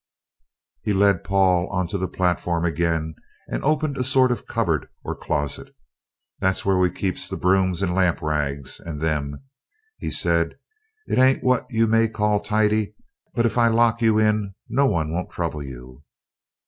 He led Paul on to the platform again and opened a sort of cupboard or closet. "That's where we keeps the brooms and lamp rags, and them," he said; "it ain't what you may call tidy, but if I lock you in no one won't trouble you."